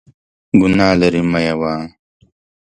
ګناه لري ، مه یې وهه !